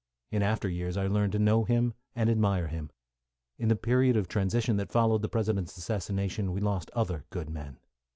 In after years I learned to know him and admire him. In the period of transition that followed the President's assassination we lost other good men.